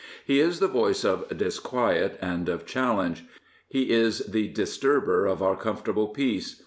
He is the voice of disquiet and of challenge. He is the disturber of our comfortable peace.